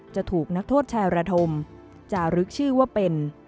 จะถูกนักโทษชายระธมจารึกชื่อว่าเป็น